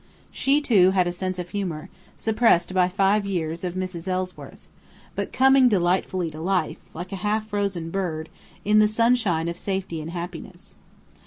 She, too, had a sense of humour, suppressed by five years of Mrs. Ellsworth, but coming delightfully to life, like a half frozen bird, in the sunshine of safety and happiness.